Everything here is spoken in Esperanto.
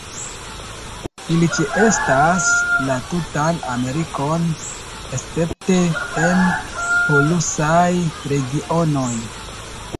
Ili ĉeestas la tutan Amerikon escepte en polusaj regionoj.